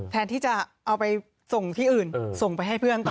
แทนที่จะเอาไปส่งที่อื่นส่งไปให้เพื่อนต่อ